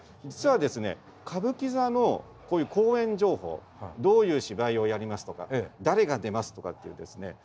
実はですね歌舞伎座のこういう公演情報どういう芝居をやりますとか誰が出ますとかっていうですね